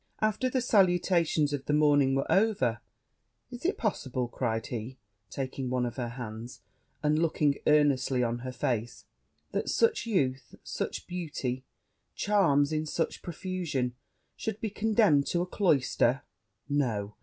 After the salutations of the morning were over, 'Is it possible,' cried he, taking one of her hands, and looking earnestly on her face, 'that such youth, such beauty, charms in such profusion, should be condemned to a cloyster? No!